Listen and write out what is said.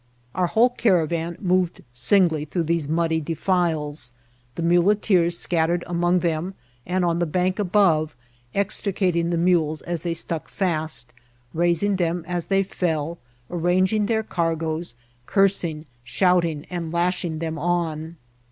Our whole caravan moved singly through these muddy de files, the muleteers scattered among them and on the bank above, extricating the mules as they stuck fast, raising them as they fell, arranging their cargoes, curs ing, shouting, and lashing them on.